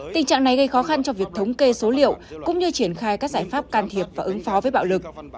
tình trạng này gây khó khăn cho việc thống kê số liệu cũng như triển khai các giải pháp can thiệp và ứng phó với bạo lực